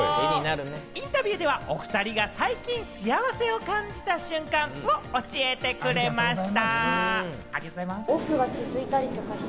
インタビューでは、おふたりが最近、幸せを感じた瞬間を教えてくれました。